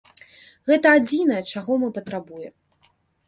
Гэта адзінае, чаго мы патрабуем.